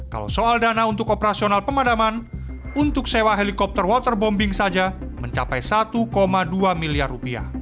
kalau soal dana untuk operasional pemadaman untuk sewa helikopter waterbombing saja mencapai rp satu dua miliar